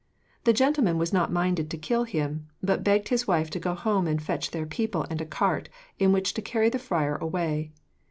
The gentleman was not minded to kill him, but begged his wife to go home and fetch their people and a cart, in which to carry the friar away.